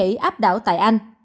biến thể áp đảo tại anh